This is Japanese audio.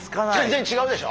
全然違う。